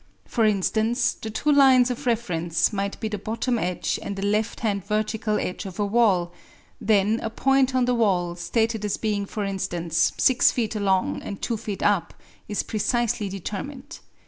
For instance, the two lines of reference might be the bottom edge and the left hand vertical edge of a wall; then a point on the wall, stated as being for instance 6 feet along and 2 feet up, is precisely determined.